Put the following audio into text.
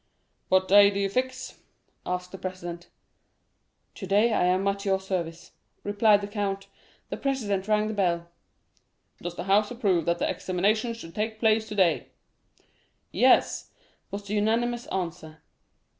"What day do you fix?" asked the president. "Today I am at your service," replied the count. The president rang the bell. "Does the House approve that the examination should take place today?" 40196m "Yes," was the unanimous answer.